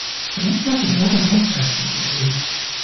Von ihr sind heute nur noch Reste zu sehen.